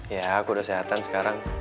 ya aku udah sehatan sekarang